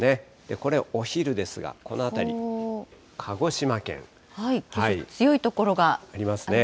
これ、お昼ですが、この辺り、鹿強い所がありますね。